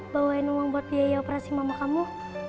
bawain uang buat biaya operasi mama kamu